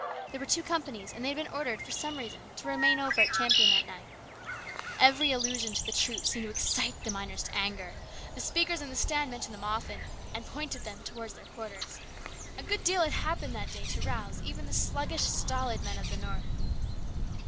There were two companies, and they had been ordered for some reason to remain over at Champion that night, Every allusion to the troops THE RESCUE. 87 seemed to excite the miners to anger. The speakers in the stand mentioned them often, and pointed towards their quarters. A good deal had happened that day to rouse even the sluggish, stolid men of the North.